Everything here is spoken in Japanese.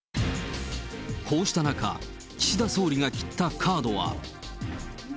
こうした中、岸田総理が切ったカードは。